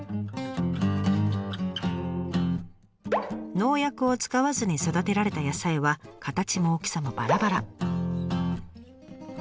農薬を使わずに育てられた野菜は形も大きさもバラバラ。